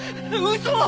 嘘！